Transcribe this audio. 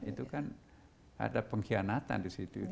itu kan ada pengkhianatan di situ